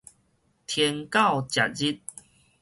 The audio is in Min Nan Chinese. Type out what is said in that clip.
天狗食日